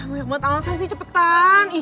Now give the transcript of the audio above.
banyak banget alasan sih cepetan ih